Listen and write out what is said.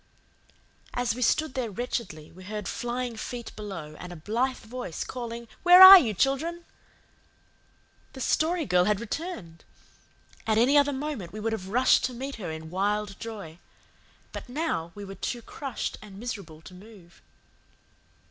As we stood there wretchedly we heard flying feet below and a blithe voice calling, "Where are you, children?" The Story Girl had returned! At any other moment we would have rushed to meet her in wild joy. But now we were too crushed and miserable to move.